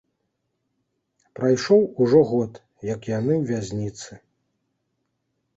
Прайшоў ужо год, як яны ў вязніцы.